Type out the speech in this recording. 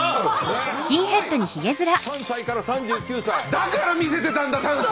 だから見せてたんだ３歳。